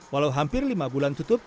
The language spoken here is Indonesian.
walau hampir lima bulan tutup